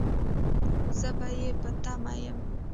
زه به يې په تمه يم